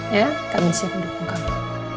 ya kami siap mendukung kami